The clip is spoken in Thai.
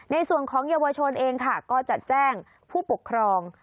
ในส่วนของเยาวชนเองค่ะก็จะแจ้งผู้ปกครอง